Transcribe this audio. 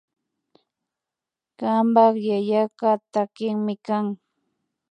Kanpak yayaka takikmi kan